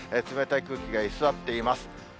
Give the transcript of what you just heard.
冷たい空気が居座っています。